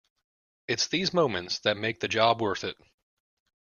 It's these moments that make the job worth it.